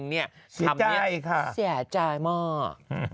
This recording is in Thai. เสียใจค่ะเสียใจมาก